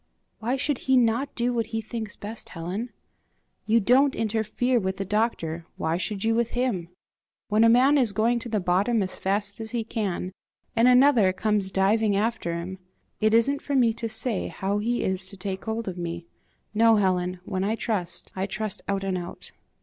"Why should he not do what he thinks best, Helen? You don't interfere with the doctor why should you with him? When a man is going to the bottom as fast as he can, and another comes diving after him it isn't for me to say how he is to take hold of me. No, Helen; when I trust, I trust out and out."